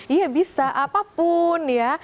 iya bisa apapun ya